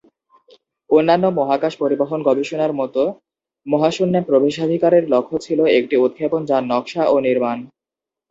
অন্যান্য মহাকাশ পরিবহন গবেষণার মত, "মহাশূন্যে প্রবেশাধিকারের" লক্ষ্য ছিল একটি উৎক্ষেপণ যান নকশা এবং নির্মাণ।